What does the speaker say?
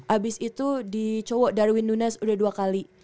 abis itu di cowok darwin lunas udah dua kali